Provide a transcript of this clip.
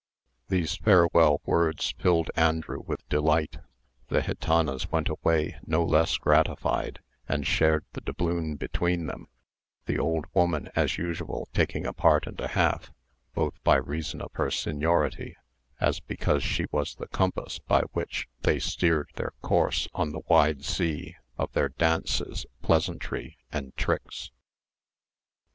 These farewell words filled Andrew with delight; the gitanas went away no less gratified, and shared the doubloon between them, the old woman as usual taking a part and a half, both by reason of her seniority, as because she was the compass by which they steered their course on the wide sea of their dances, pleasantry, and tricks.